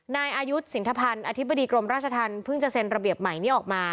นายอายุสินทพันธ์อธิบดีกรมราชธรรมเพิ่งจะเซ็นระเบียบใหม่นี้ออกมา